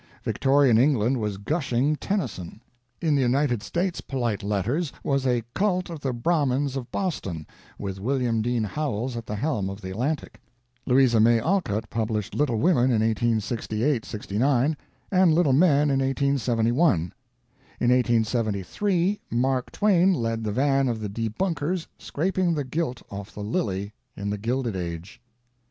Victorian England was gushing Tennyson. In the United States polite letters was a cult of the Brahmins of Boston, with William Dean Howells at the helm of the Atlantic. Louisa May Alcott published Little Women in 1868 69, and Little Men in 1871. In 1873 Mark Twain led the van of the debunkers, scraping the gilt off the lily in the Gilded Age.